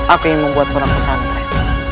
aku yang membuat perang pesantren